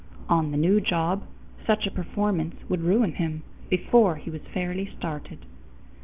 On the new job, such a performance would ruin him before he was fairly started.